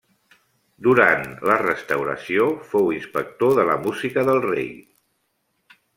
Durant la Restauració fou inspector de la música del rei.